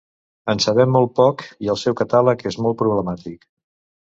En sabem molt poc i el seu catàleg és molt problemàtic.